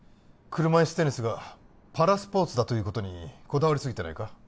車いすテニスがパラスポーツだということにこだわりすぎてないか？